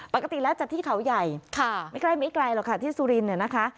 ปกติแล้วจัดที่เขาใหญ่ไม่ใกล้ไม่ไกลหรอกค่ะที่สุรินทร์เนี่ยนะคะ